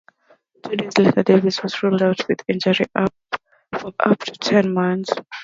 Two days later Davies was ruled out with injury for up to ten months.